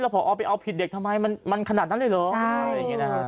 เราพอออกไปเอาผิดเด็กทำไมมันมันขนาดนั้นเลยเหรอใช่อย่างเงี้ยน่ะ